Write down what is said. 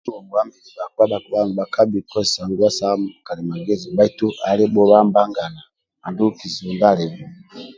Bhakapa bhakibhaga nibhakabhi kozesa nguwa sa kalimagezi bhaitu ali bhulibuwa mbagana andulu kizibu ndia alibe